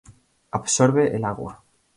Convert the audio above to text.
Absorbe el agua.